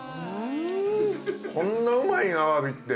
こんなうまいん？